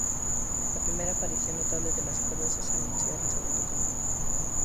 La primera aparición notable de las cuerdas es para anunciar el segundo tema.